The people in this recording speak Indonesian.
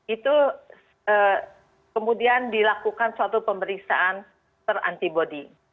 itu kemudian dilakukan suatu pemeriksaan per antibody